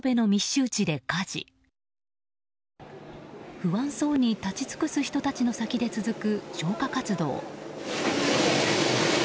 不安そうに立ち尽くす人たちの先で続く消火活動。